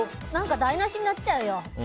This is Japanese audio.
台無しになっちゃうよ！